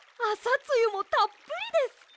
あさつゆもたっぷりです！